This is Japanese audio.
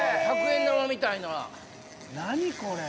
１００円玉みたいな何これ？